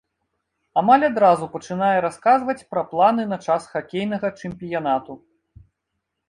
Амаль адразу пачынае расказваць пра планы на час хакейнага чэмпіянату.